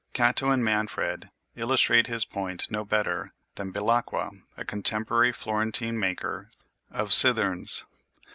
Cato and Manfred illustrate his point no better than Belacqua, a contemporary Florentine maker of citherns.